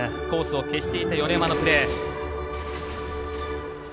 コースを消していた米山のプレー。